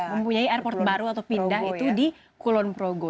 mempunyai airport baru atau pindah itu di kulon progo